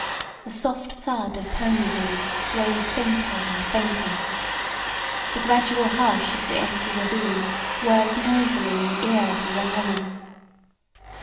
The soft thud of pony hoofs grows fainter and fainter. The gradual hush of the empty ravine whirrs noisily in the ear of the young woman.